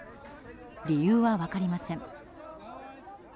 理由は分かりません。